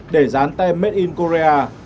để dán tem made in korea